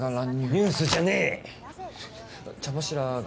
ニュースじゃねえ「茶柱が」